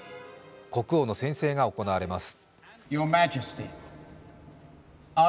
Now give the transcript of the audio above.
国王の宣誓が行われます。